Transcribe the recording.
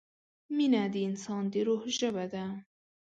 مینه د انسان د روح ژبه ده.